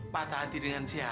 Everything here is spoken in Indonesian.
patah hati dengan siapa